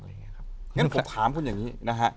อย่างนั้นผมถามคุณอย่างนี้นะฮะ